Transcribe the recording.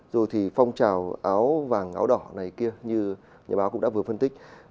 rồi thì phong trào áo vàng áo đỏ này kia như nhà báo cũng đã vừa phân tích